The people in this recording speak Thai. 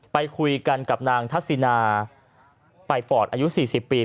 ไปคุยกันกับนางทัศนาปลายฟอร์ตอายุเกี่ยว๔๐ปี